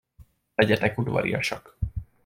Legyetek udvariasak.